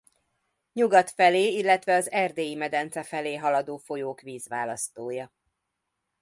Nyugat felé illetve az Erdélyi-medence felé haladó folyók vízválasztója.